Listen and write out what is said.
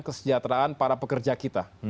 kesejahteraan para pekerja kita